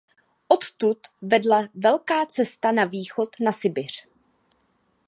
Odtud vedla velká cesta na východ na Sibiř.